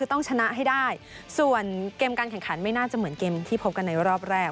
ต้องชนะให้ได้ส่วนเกมการแข่งขันไม่น่าจะเหมือนเกมที่พบกันในรอบแรก